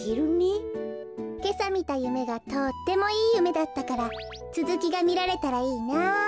けさみたゆめがとってもいいゆめだったからつづきがみられたらいいなあ。